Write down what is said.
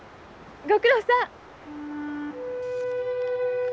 ご苦労さん。